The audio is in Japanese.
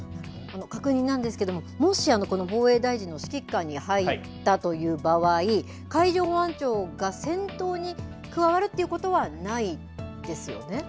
確認なんですがもし防衛大臣の指揮下に入ったという場合海上保安庁が戦闘に加わるということはないですよね。